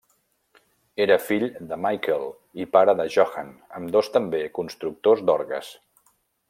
Era fill de Michael i pare de Johann ambdós també constructors d'orgues.